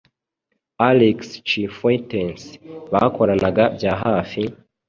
Alex Cifuentes bakoranaga bya hafi,